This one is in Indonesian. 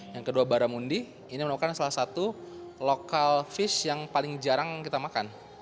yang kedua baramundi ini merupakan salah satu lokal fish yang paling jarang kita makan